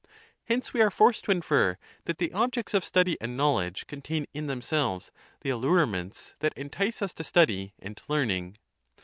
Hence we are forced to infer that the objects of study and knowledge contain in them selves the allurements that entice us to study and to 3 learning.